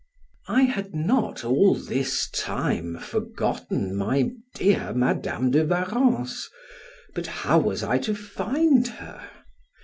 I had not all this time forgotten my dear Madam de Warrens, but how was I to find her?